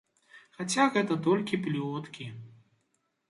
Хаця гэта толькі плёткі.